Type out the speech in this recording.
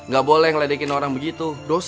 gak boleh ngeledekin orang begitu